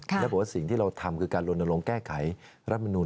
และบอกว่าสิ่งที่เราทำคือการลงแก้ไขรัฐธรรมนูญ